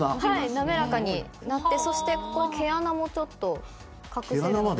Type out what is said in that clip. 滑らかになって毛穴もちょっと隠せるので。